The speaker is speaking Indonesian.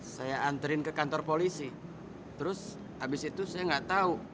saya anterin ke kantor polisi terus abis itu saya gak tau